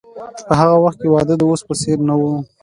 په هغه وخت کې واده د اوس په څیر نه و.